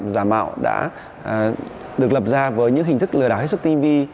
giả mạo đã được lập ra với những hình thức lừa đảo hết sức tinh vi